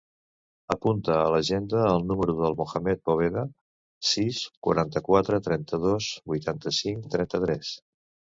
Apunta a l'agenda el número del Mohammed Poveda: sis, quaranta-quatre, trenta-dos, vuitanta-cinc, trenta-tres.